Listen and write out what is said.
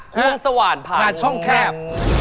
คุณสว่านผ่านช่องแคบ